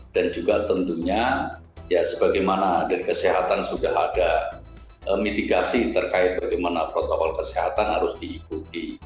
juga tentunya ya sebagaimana dari kesehatan sudah ada mitigasi terkait bagaimana protokol kesehatan harus diikuti